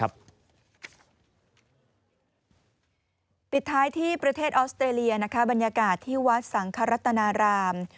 ปิดท้ายที่ประเทศออสเตรเลียบรรยากาศที่วัดสังครัตนาราม